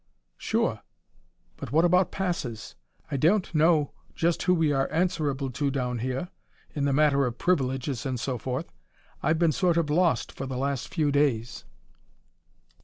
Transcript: "Sure. But what about passes? I don't know just who we are answerable to down here, in the matter of privileges and so forth. I've been sort of lost for the last few days."